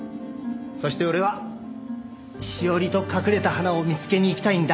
そして俺は志桜里と隠れた花を見つけに行きたいんだ。